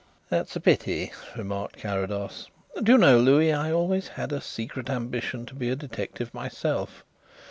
"That's a pity," remarked Carrados. "Do you know, Louis, I always had a secret ambition to be a detective myself.